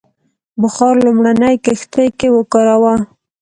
بخار لومړنۍ کښتۍ کې وکاراوه.